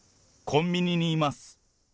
コンビニにいます。